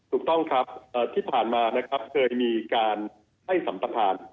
ถูกต้องครับที่ผ่านมานะครับเคยมีการให้สัมประธาน